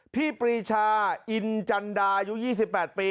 พี่ปรีชาอินจันดายุ๒๘ปี